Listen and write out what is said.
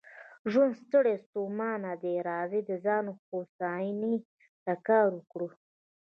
ژوند ستړی ستومانه دی، راځئ د ځان هوساینې ته کار وکړو.